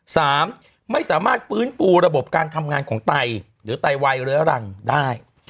สามไม่สามารถฟื้นฟูระบบการทำงานของไตหรือไตวายเรื้อรังได้